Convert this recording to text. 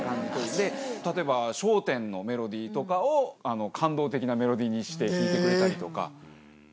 例えば。とかを感動的なメロディーにして弾いてくれたりとか。